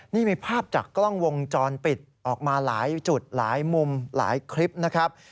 นี่มีภาพจากกล้องวงจรปิดออกมาหลายจุดหลายมุมหลายคลิปนะครับ